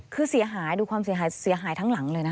คือเสียหายดูความเสียหายเสียหายทั้งหลังเลยนะ